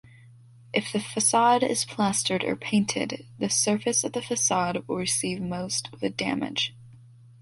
If the facade is plastered or painted, the surface of the facade will receive most of the damage.